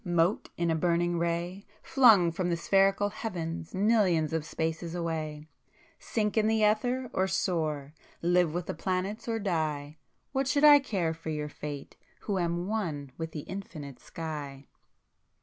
Mote in a burning ray Flung from the spherical Heavens millions of spaces away— Sink in the ether or soar! Live with the planets or die!— What should I care for your fate, who am one with the Infinite Sky!